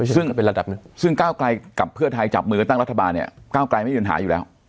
ซึ่งก้าวไกลกับเพื่อไทยจับมือตั้งรัฐบาลเนี่ยก้าวไกลไม่ยืนหาอยู่แล้ว